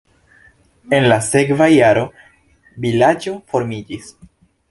En la sekva jaro vilaĝo formiĝis.